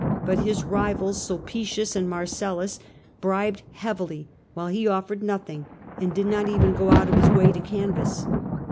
But his rivals, Sulpicius and Mai'cellus, bribed heavily, while he offered nothing, and did not even go out of his way to canvass.